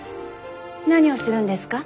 何をするんですか？